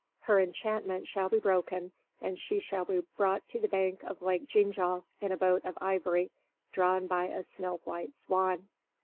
Her enchantment shall be broken and she shall be brought to the bank of Lake Ginjal in a boat of ivory, drawn by a snow white swan."